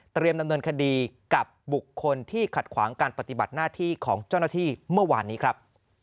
ดำเนินคดีกับบุคคลที่ขัดขวางการปฏิบัติหน้าที่ของเจ้าหน้าที่เมื่อวานนี้ครับ